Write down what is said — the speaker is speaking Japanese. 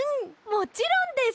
もちろんです！